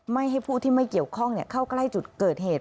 ไม่ให้ผู้ที่ไม่เกี่ยวข้องเข้าใกล้จุดเกิดเหตุ